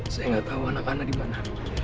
saya nggak tahu anak anak di mana